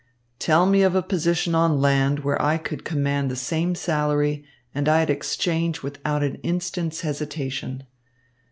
"Tell me of a position on land where I could command the same salary, and I'd exchange without an instant's hesitation.